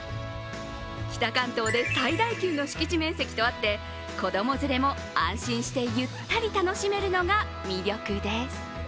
北関東で最大級の敷地面積とあって子供連れも安心してゆったり楽しめるのが魅力です。